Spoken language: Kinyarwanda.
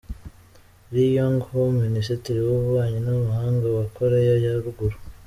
Ri Yong-Ho Minisitiri w’Ububanyi n’Amahanga wa Korea ya Ruguru